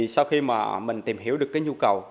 sau khi mình tìm hiểu được nhu cầu